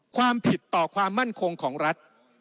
ความผิดต่อความมั่นคงของรัฐ